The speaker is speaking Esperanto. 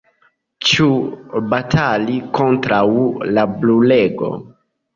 Ĉu batali kontraŭ la brulego?